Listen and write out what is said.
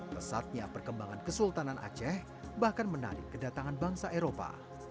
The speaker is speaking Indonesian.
pesatnya perkembangan kesultanan aceh bahkan menarik kedatangan bangsa eropa